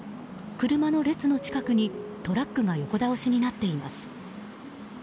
車の列の近くにトラックが横倒しになっています。